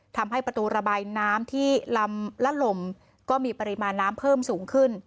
ทำให้ประตูระบายน้ำที่ลำละลมก็มีปริมาณน้ำเพิ่มสูงขึ้น